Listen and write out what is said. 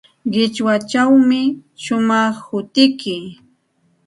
Qichwachawmi shumaq hutiyki.